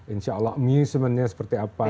insya allah amusement nya seperti apa